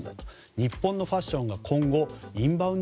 日本のファッションが今後インバウンド